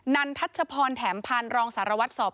ันทัชพรแถมพันธ์รองสารวัตรสอบ